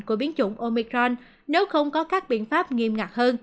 của biến chủng omicron nếu không có các biện pháp nghiêm ngặt hơn